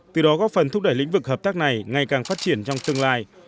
từ đó góp phần thúc đẩy lĩnh vực hợp tác này ngày càng phát triển trong tương lai